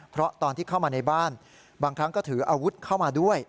เพราะตอนที่เข้ามาในบ้านบางครั้งก็ถืออาวุธเข้ามาด้วย